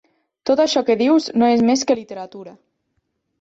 Tot això que dius no és més que literatura.